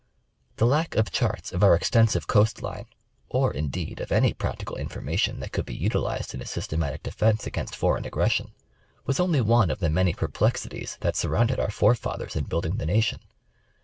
The lack of charts of our extensive Coast line, or indeed, of any practical information that could be utilized in a systematic defence against foreign aggression, was only one of the many perplexities that surrounded our forefathers in building the nation.